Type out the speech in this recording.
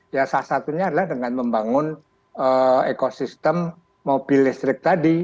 ya salah satunya adalah dengan membangun ekosistem mobil listrik tadi